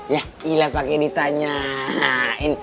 yah gila pake ditanyain